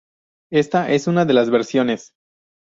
Esta es una de las versiones.